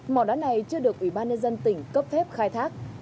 mỏ đá này chưa được ủy ban nhân dân tỉnh cấp phép khai thác